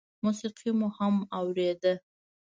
موسيقي مو هم اورېده.